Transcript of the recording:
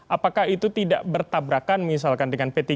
apakah itu tidak bertabrakan misalkan dengan p tiga